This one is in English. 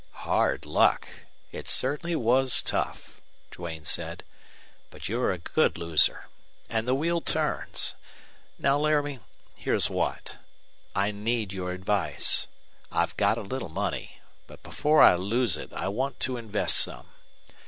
"Hard luck! It certainly was tough," Duane said. "But you're a good loser. And the wheel turns! Now, Laramie, here's what. I need your advice. I've got a little money. But before I lose it I want to invest some.